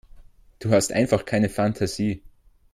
Du hast einfach keine Fantasie.